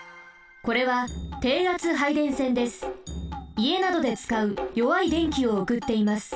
いえなどでつかうよわい電気をおくっています。